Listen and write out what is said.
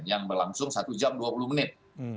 yang berlangsung satu jam dua puluh menit